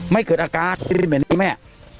ไม่เกิดอาการแบบนี้แม่